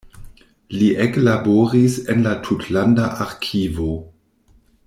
Li eklaboris en la tutlanda arkivo.